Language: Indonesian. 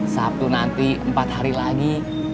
sabtu nanti empat hari lagi